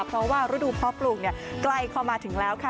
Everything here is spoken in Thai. เพราะว่ารูดูพ็อปกลุ่งเนี้ยใกล้เข้ามาถึงแล้วค่ะ